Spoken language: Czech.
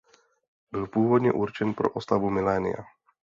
Byl původně určen pro oslavu milénia.